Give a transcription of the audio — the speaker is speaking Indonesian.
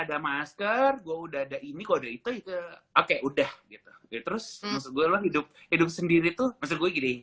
ada masker gua udah ada ini kode itu itu oke udah gitu terus hidup hidup sendiri tuh masih gue gini